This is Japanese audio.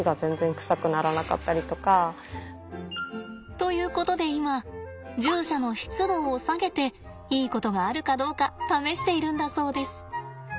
ということで今獣舎の湿度を下げていいことがあるかどうか試しているんだそうです。